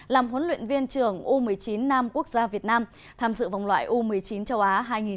làm huấn luyện viên trưởng u một mươi chín nam quốc gia việt nam tham dự vòng loại u một mươi chín châu á hai nghìn hai mươi